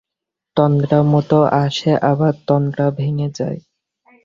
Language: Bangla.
তন্দ্রামতো আসে আবার তন্দ্রা ভেঙ্গে যায়।